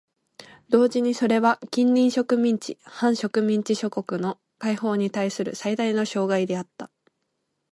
同時にそれは近隣植民地・半植民地諸国の解放にたいする最大の障害であった。